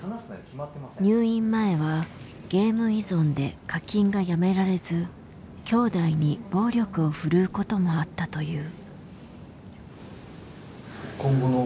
入院前はゲーム依存で課金がやめられずきょうだいに暴力を振るうこともあったという。